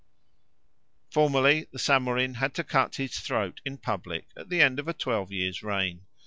Formerly the Samorin had to cut his throat in public at the end of a twelve years' reign.